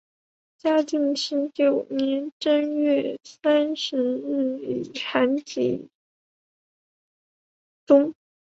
嘉靖十九年正月三十日以寒疾终。